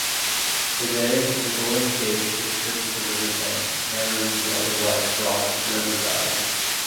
Today, the Goring Gap constricts the River Thames, narrowing the otherwise broad river valley.